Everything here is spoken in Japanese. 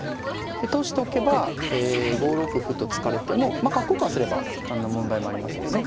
で通しておけば５六歩と突かれても角交換すれば何の問題もありませんよね。